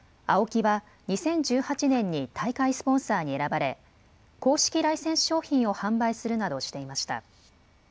ＡＯＫＩは２０１８年に大会スポンサーに選ばれ公式ライセンス商品を販売するなどしていました。